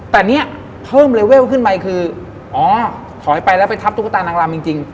แต่เนี่ยเพิ่มเลเวลขึ้นไปคืออ๋อถอยไปแล้วไปทับตุ๊กตานางลำจริง